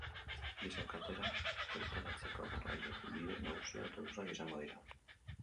Giza katera bertaratzeko garraio bide nagusia autobusak izango dira.